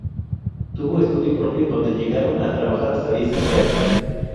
Tuvo estudio propio donde llegaron a trabajar hasta diez empleados.